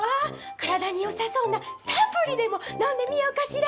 体によさそうなサプリでも飲んでみようかしら。